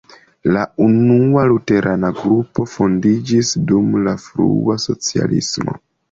La unua luterana grupo fondiĝis dum la frua socialismo.